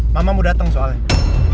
mamamu dateng soalnya